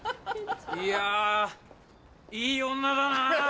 いやぁいい女だな！